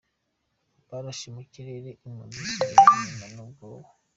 Barashe mu kirere, impunzi zisubira inyuma n’ubwoba.